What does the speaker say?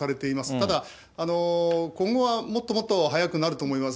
ただ今後はもっともっと早くなると思います。